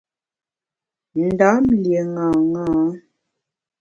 Ndam lié ṅaṅâ.